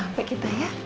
sampai kita ya